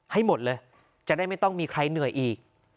ให้หมดเลยจะได้ไม่ต้องมีใครเหนื่อยอีก